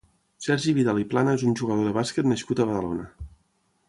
Sergi Vidal i Plana és un jugador de bàsquet nascut a Badalona.